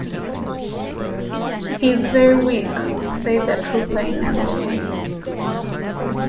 "He is very weak," said the trooper in a low voice.